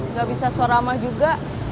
nggak bisa so ramah juga